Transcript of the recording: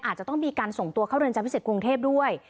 อาจจะต้องมีการส่งตัวเข้าเรือนจำพิเศษกรุงเทพด้วย